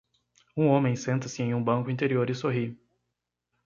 Um homem senta-se em um banco interior e sorri.